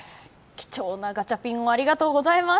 貴重なガチャピンをありがとうございます。